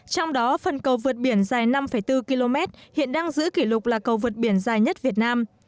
trong đó phần cầu vượt biển dài năm bốn km hiện đang giữ kỷ lục là cầu vượt biển dài nhất việt nam